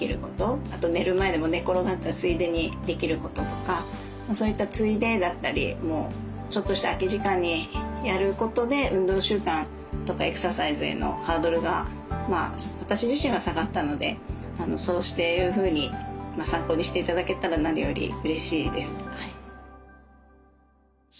あと寝る前でも寝転がったついでにできることとかそういったついでだったりもうちょっとした空き時間にやることで運動習慣とかエクササイズへのハードルが私自身は下がったのでそうして参考にして頂けたら何よりうれしいですはい。